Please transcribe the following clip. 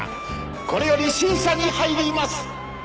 これより審査に入ります！